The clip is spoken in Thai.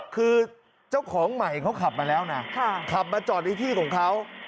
คือเจ้าของใหม่เขาขับมาแล้วนะขับมาจอดในที่ของเขา